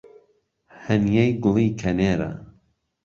ههنیەی گوڵی کهنێره